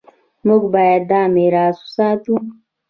موږ باید دا میراث وساتو.